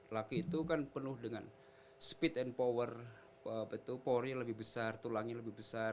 laki itu kan penuh dengan speed and power betul powernya lebih besar tulangnya lebih besar